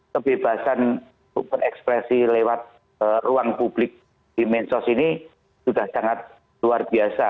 kebebasan berekspresi lewat ruang publik di mensos ini sudah sangat luar biasa